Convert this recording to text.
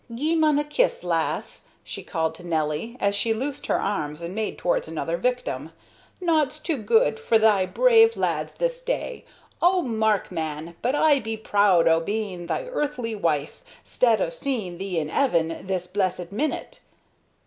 "Gie mun a kiss, lass!" she called to Nelly, as she loosed her arms and made towards another victim. "Nought's too good for they brave lads this day. Oh, Mark, man! but I be proud o' being thy earthly wife, 'stead o' seeing thee in 'eaven this blessed minute."